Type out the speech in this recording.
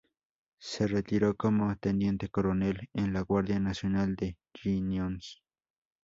Se retiró como Teniente Coronel en la Guardia Nacional de Illinois.